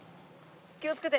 気をつけて。